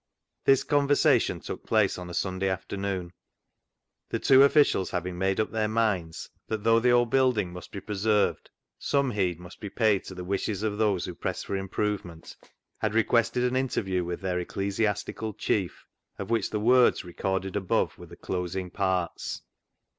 This conversation took place on a Sunday afternoon. The two officials having made up their minds that, though the old building must be preserved, some heed must be paid to the wishes of those who pressed for improvement, had requested an interview with their ecclesi astical chief, of which the words recorded above were the closing parts.